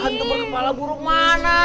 hantu berkepala burung mana